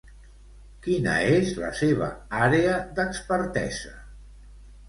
Quina és la seva àrea d'expertesa?